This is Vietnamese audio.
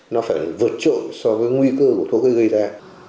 nó phải vượt trội so với nguy cơ của thuốc gây ra